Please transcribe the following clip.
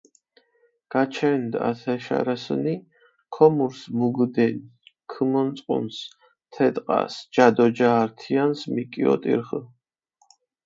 გაჩენდჷ ათე შარასჷნი, ქომურს მუგჷდენი, ქჷმონწყუნსჷ თე ტყასჷ, ჯა დო ჯა ართიანსჷ მიკიოტირხჷ.